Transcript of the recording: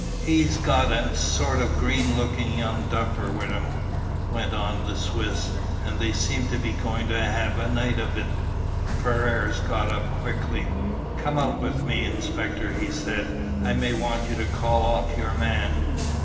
"E's got a sort of green lookin' young duffer with 'im," went on the Swiss, "and they seem to be goin' to 'ave a night of it." Ferrars got up quickly. "Come out with me, inspector," he said. "I may want you to call off your man.